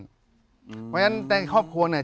เพราะฉะนั้นในครอบครัวเนี่ย